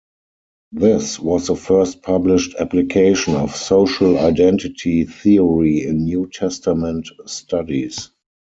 This was the first published application of social identity theory in New Testament studies.